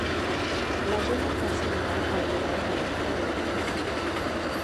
La zona es va assentar al voltant de l'època de la guerra civil.